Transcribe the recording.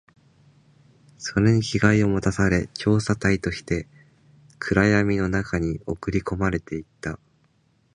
それに着替えを持たされ、調査隊として暗闇の中に送り込まれていった